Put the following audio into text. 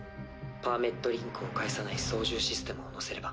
パーメットリンクを介さない操縦システムを載せれば。